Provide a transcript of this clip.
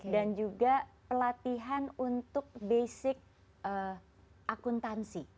dan juga pelatihan untuk basic akuntansi